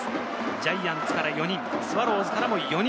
ジャイアンツから４人、スワローズからも４人、